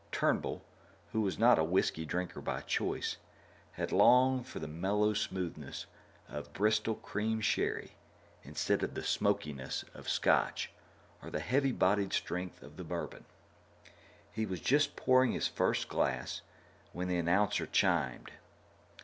Turnbull, who was not a whisky drinker by choice, had longed for the mellow smoothness of Bristol Cream Sherry instead of the smokiness of Scotch or the heavy bodied strength of the bourbon. He was just pouring his first glass when the announcer chimed.